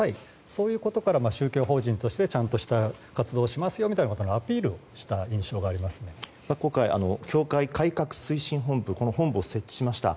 そういうことから宗教法人としてちゃんとした活動をしますよというアピールをした今回、教会改革推進本部設置しました。